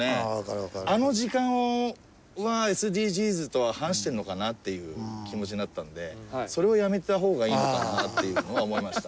あの時間はＳＤＧｓとは反してるのかなっていう気持ちになったのでそれをやめた方がいいのかなっていうのは思いました。